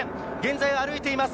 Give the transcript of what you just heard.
現在歩いています。